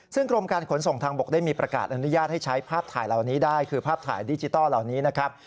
ซึ่งกรมการขนส่งทางบกได้มีประกาศอนุญาตให้ใช้ภาพถ่ายเหล่านี้ได้คือภาพถ่ายดิจิทัลเหล่านี้นะครับ